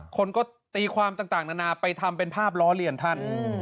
คนก็ตีความต่างนานาไปทำเป็นภาพล้อเลียนท่าน